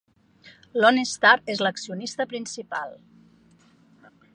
Lone Star és l'accionista principal.